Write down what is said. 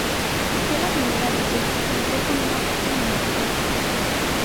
Fue la primera edición que contó con una fase eliminatoria.